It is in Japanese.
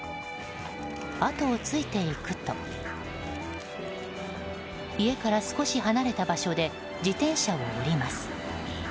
あとをついていくと家から少し離れた場所で自転車を降ります。